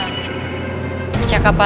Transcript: cakapanku dengan kakang prabu tadi